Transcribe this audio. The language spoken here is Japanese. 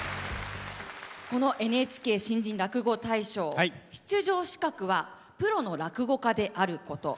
このＮＨＫ新人落語大賞出場資格はプロの落語家であること。